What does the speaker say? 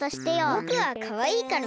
ぼくはかわいいからむりです。